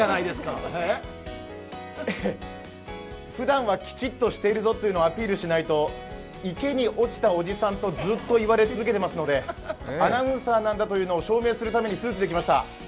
ええ、ふだんはきちっとしているぞというのをアピールしないと池に落ちたおじさんとずっと言われ続けてますのでアナウンサーなんだというのを証明するためにスーツで来ました。